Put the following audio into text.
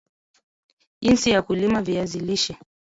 jinsi ya kulima viazi lisha